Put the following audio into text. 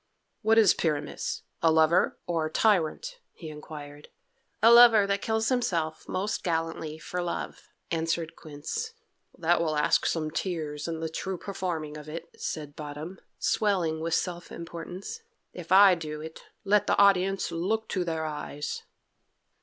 "What is Pyramus a lover or a tyrant?" he inquired. "A lover that kills himself most gallantly for love," answered Quince. "That will ask some tears in the true performing of it," said Bottom, swelling with self importance. "If I do it, let the audience look to their eyes."